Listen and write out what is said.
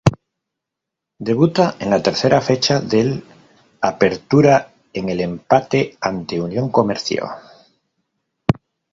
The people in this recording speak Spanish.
Debuta en la tercera fecha del Apertura en el empate ante Unión Comercio.